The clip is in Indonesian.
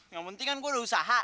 yang penting kan gue udah usaha